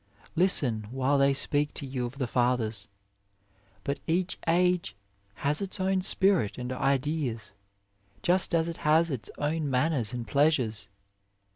Listen while they speak to you of the fathers. But each age has its own spirit and ideas, just as it has its own manners and plea sures.